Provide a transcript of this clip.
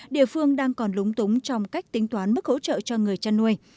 địa phương đang còn lúng túng trong cách tính toán mức hỗ trợ cho người chăn nuôi